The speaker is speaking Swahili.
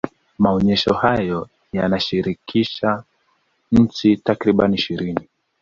maonesho hayo yanashirikisha nchi takribani ishirini